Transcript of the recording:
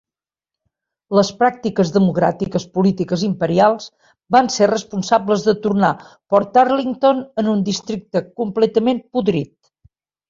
Les pràctiques democràtiques polítiques imperials van ser responsables de tornar Portarlington en un districte completament podrit.